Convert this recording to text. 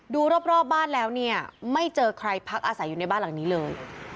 ดูรอบบ้านแล้วเนี่ยไม่เจอใครพักอาศัยอยู่ในบ้านหลังนี้เลย